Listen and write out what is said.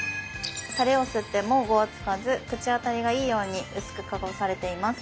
タレを吸ってもゴワつかず口当たりがいいように薄く加工されています。